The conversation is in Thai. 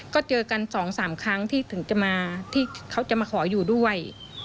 ก็เจอกัน๒๓ครั้งที่ถึงจะมาที่เขาจะมาขออยู่ด้วย